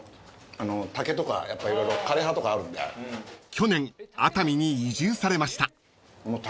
［去年熱海に移住されました］